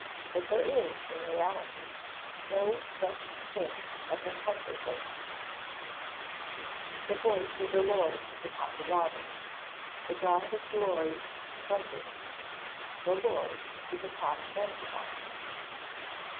But there is, in reality, no such thing as a thunderbolt. [Verse: "The voice of the Lord is upon the waters: the God of glory thundereth; the Lord is upon many waters."